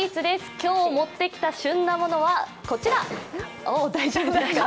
今日持ってきた旬なものは、こちら！